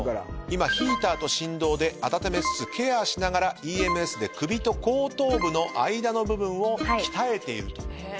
今ヒーターと振動で温めつつケアしながらＥＭＳで首と後頭部の間の部分を鍛えているということなんです。